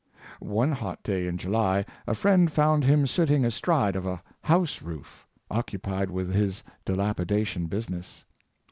One hot day in July a friend found him sitting astride of a house roof occupied with his dilapidation business.